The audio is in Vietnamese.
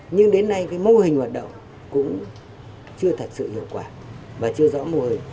nhưng đến nay cái mô hình hoạt động cũng chưa thật sự hiệu quả và chưa rõ mô hình